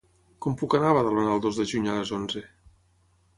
Com puc anar a Badalona el dos de juny a les onze?